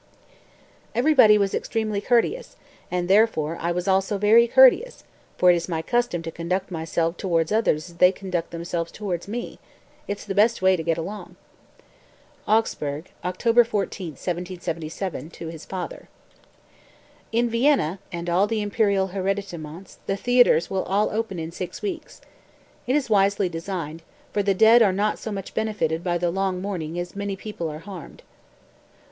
207. "Everybody was extremely courteous, and therefore I was also very courteous; for it is my custom to conduct myself towards others as they conduct themselves towards me, it's the best way to get along." (Augsburg, October 14, 1777, to his father.) 208. "In Vienna and all the imperial hereditaments the theatres will all open in six weeks. It is wisely designed; for the dead are not so much benefited by the long mourning as many people are harmed."